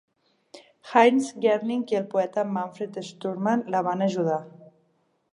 Heinz Gerling i el poeta Manfred Schturmann la van ajudar.